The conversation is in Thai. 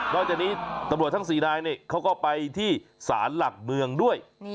จากนี้ตำรวจทั้ง๔นายเขาก็ไปที่ศาลหลักเมืองด้วย